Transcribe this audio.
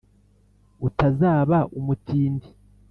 utazaba umutindi